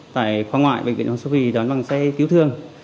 tại khoa ngoại bệnh viện hoàng su phi đón bằng xe cứu thương